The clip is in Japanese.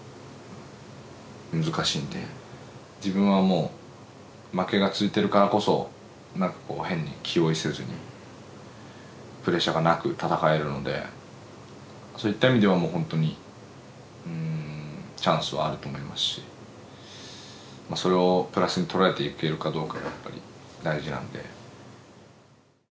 自分はもう負けが続いてるからこそ何かこう変に気負いせずにプレッシャーがなく戦えるのでそういった意味ではもう本当にチャンスはあると思いますしそれをプラスに捉えていけるかどうかがやっぱり大事なんで。